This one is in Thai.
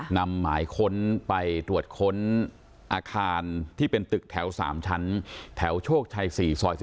นำหมายค้นไปตรวจค้นอาคารที่เป็นตึกแถว๓ชั้นแถวโชคชัย๔ซอย๑๔